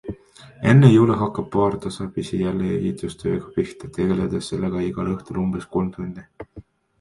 Enne jõule hakkab paar tasapisi jälle ehitustööga pihta, tegeledes sellega igal õhtul umbes kolm tundi.